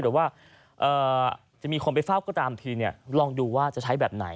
หรือว่าจะมีคนไปเฝ้าก็ตามทีลองดูว่าจะใช้แบบไหน